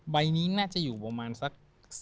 ใบนี้น่าจะอยู่ประมาณสัก